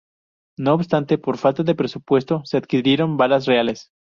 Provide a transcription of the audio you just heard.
No obstante, por falta de presupuesto, se adquirieron balas reales.